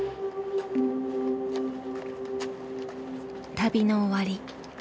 旅の終わり。